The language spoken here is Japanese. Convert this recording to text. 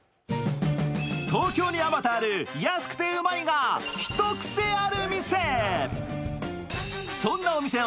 東京にあまたある安くてウマいがひとクセある店。